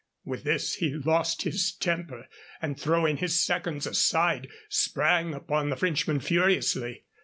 With this he lost his temper, and, throwing his seconds aside, sprang upon the Frenchman furiously.